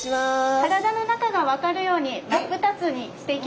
体の中が分かるように真っ二つにしていきますね。